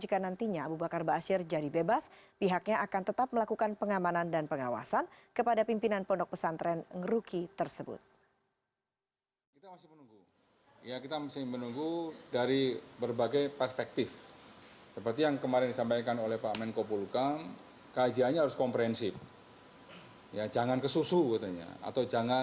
jika nantinya abu bakar ba'asyir jadi bebas pihaknya akan tetap melakukan pengamanan dan pengawasan kepada pimpinan pondok pesantren ngeruki tersebut